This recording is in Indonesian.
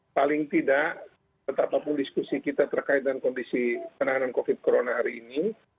paling tidak tetap apapun diskusi kita terkait dengan kondisi penahanan covid sembilan belas corona hari ini